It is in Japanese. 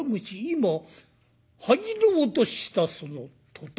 今入ろうとしたその途端。